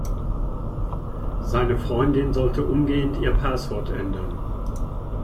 Seine Freundin sollte umgehend ihr Passwort ändern.